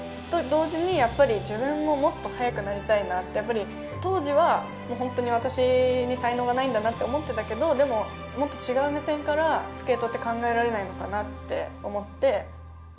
と同時に、やっぱり自分ももっと速くなりたいなって、やっぱり、当時は本当に私に才能がないんだなって思ってたけど、でももっと違う目線からスケートって考えられないのかなって思って。